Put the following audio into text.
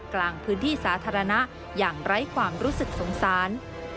กลางพื้นที่สาธารณะอย่างไร้ความรู้สึกสงสาร